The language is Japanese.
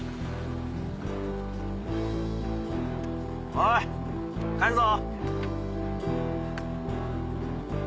おい帰るぞ。